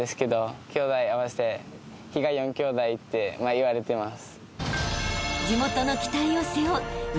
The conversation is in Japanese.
って言われてます。